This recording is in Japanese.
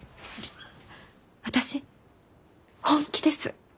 私本気です。